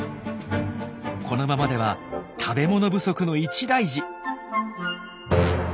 このままでは食べ物不足の一大事。